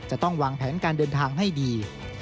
จะต้องวางแผนการเดินทางให้ดี